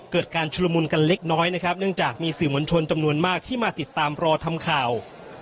เกิดการชุลมุนกันเล็กน้อยนะครับเนื่องจากมีสื่อมวลชนจำนวนมากที่มาติดตามรอทำข่าว